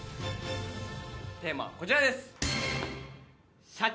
テーマはこちらです！